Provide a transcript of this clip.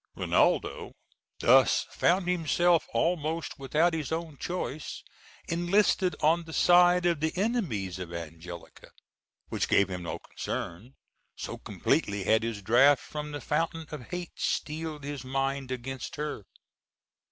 Rinaldo thus found himself, almost without his own choice, enlisted on the side of the enemies of Angelica, which gave him no concern, so completely had his draught from the fountain of hate steeled his mind against her.